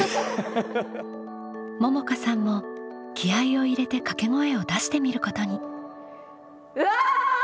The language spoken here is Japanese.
ももかさんも気合いを入れて掛け声を出してみることに。